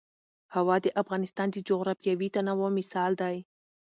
هوا د افغانستان د جغرافیوي تنوع مثال دی.